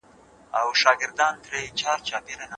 لوړ افکار لوړ استعداد غواړي.